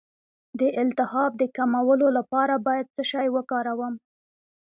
د التهاب د کمولو لپاره باید څه شی وکاروم؟